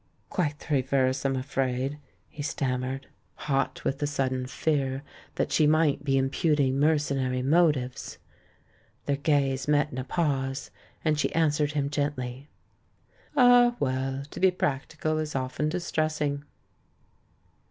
"Quite the reverse, I'm afraid," he stammered, S04 THE MAN WHO UNDERSTOOD WOMEN hot with the sudden fear that she might be im puting mercenary motives. Their gaze met in a pause, and she answered him gently: "Ah, well, to be practical is often distressing!"